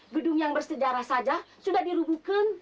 gedung yang bersejarah saja sudah diruguhkan